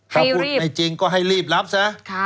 ถ้าพูดไม่จริงก็ให้รีบรับซะ